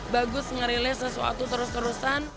bagus ngerilis sesuatu terus terusan